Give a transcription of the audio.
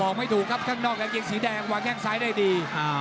ไม่ถูกครับข้างนอกกางเกงสีแดงวางแข้งซ้ายได้ดี